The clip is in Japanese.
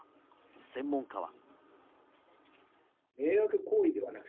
専門家は。